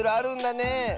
ねえ。